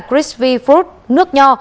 crispy fruit nước nho